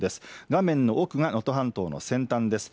画面の奥が能登半島の先端です。